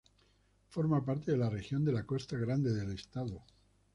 Forma parte de la región de la Costa Grande del estado.